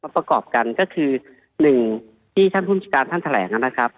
ประกอบกันก็คือหนึ่งที่ท่านภูมิชาการท่านแถลงนะครับ